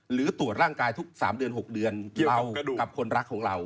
หรือตรวจร่างกายทุก๓เดือน๖เดือนเกี่ยวกับคนรักของเรา